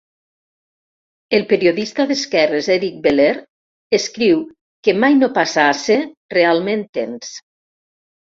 El periodista d'esquerres, Eric Boehlert, escriu que mai no passa a ser realment tens.